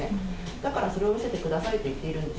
だからそれを見せてくださいって言っているんです。